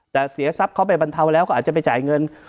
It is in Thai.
แต่เสียทรัพย์เขาไปบรรเทาแล้วก็อาจจะไปจ่ายเงิน